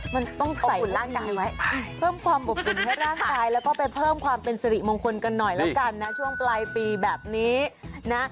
มันต้องใส่อุปกรณ์ให้ร่างกายแล้วก็ไปเพิ่มความเป็นสิริมงคลกันหน่อยแล้วกันนะช่วงปลายปีแบบนี้นะ